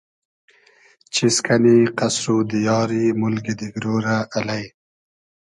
چیز کئنی قئسر و دیاری مولگی دیگرۉ رۂ الݷ